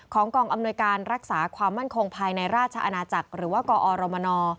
กองอำนวยการรักษาความมั่นคงภายในราชอาณาจักรหรือว่ากอรมน